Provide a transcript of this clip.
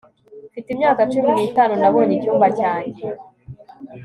mfite imyaka cumi n'itanu, nabonye icyumba cyanjye